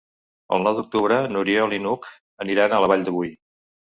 El nou d'octubre n'Oriol i n'Hug aniran a la Vall de Boí.